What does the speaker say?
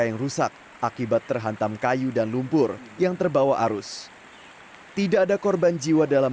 yang rusak akibat terhantam kayu dan lumpur yang terbawa arus tidak ada korban jiwa dalam